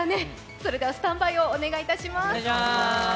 それではスタンバイをお願いいたします。